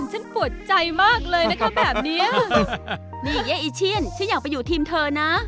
ปวดใจมากเลยนะคะแบบนี้นี่เย้อีเชียนฉันอยากไปอยู่ทีมเธอนะ